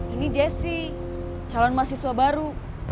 ini dia sih calon mahasiswa baru